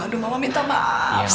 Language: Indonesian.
aduh mama minta maaf sekali